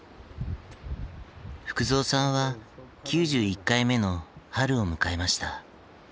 福蔵さんは９１回目の春を迎えました。